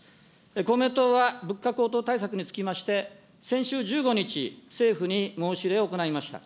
公明党は物価高騰対策につきまして、先週１５日、政府に申し入れを行いました。